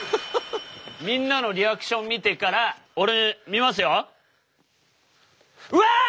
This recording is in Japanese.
みんなのリアクション見てから俺見ますよ。